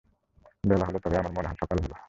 বেলা হলে তবেই আমার মনে হয় সকাল হলো।